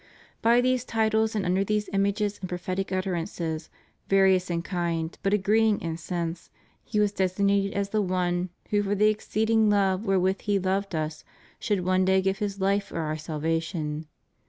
By these titles, and under these images and prophetic utterances, various in kind, but agreeing in sense. He was designated as the One who for the exceeding love wherewith He loved us should one day give His life for our salvation.